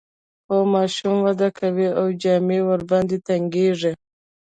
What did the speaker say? خو ماشوم وده کوي او جامې ورباندې تنګیږي.